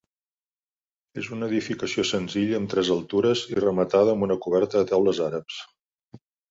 És una edificació senzilla amb tres altures i rematada amb una coberta de teules àrabs.